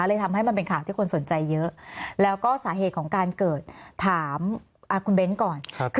เลยทำให้มันเป็นข่าวที่คนสนใจเยอะแล้วก็สาเหตุของการเกิดถามคุณเบ้นก่อน